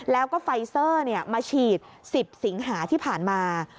แล้วก็ไฟเซอร์มาฉีด๑๐สิงหาที่ผ่านมา